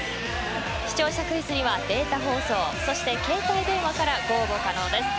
視聴者クイズには、データ放送携帯電話から応募可能です。